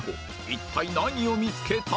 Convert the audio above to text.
一体何を見つけた？